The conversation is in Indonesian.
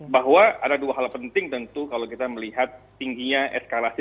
bahwa ada dua hal penting tentu kalau kita melihat tingginya eskalasi